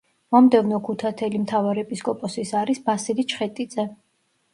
მომდევნო ქუთათელი მთავარეპისკოპოსის არის ბასილი ჩხეტიძე.